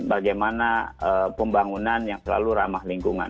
bagaimana pembangunan yang selalu ramah lingkungan